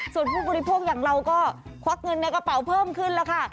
ส่วนผู้บริโภคอย่างเราก็ควักเงินในกระเป๋าเพิ่มขึ้นแล้วค่ะ